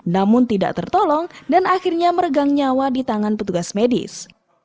namun tidak tertolong dan akhirnya meregang nyawa di tangan petugas medis